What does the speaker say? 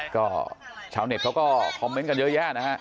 ก็ชาวเน็ตเขาก็คอมเมนต์กันเยอะแยะนะฮะ